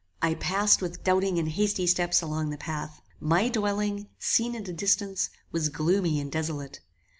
I passed with doubting and hasty steps along the path. My dwelling, seen at a distance, was gloomy and desolate.